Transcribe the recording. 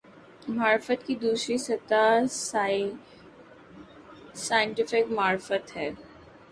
معرفت کی دوسری سطح "سائنٹیفک معرفت" ہے۔